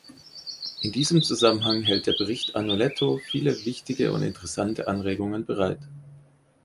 In diesem Zusammenhang hält der Bericht Agnoletto viele wichtige und interessante Anregungen bereit.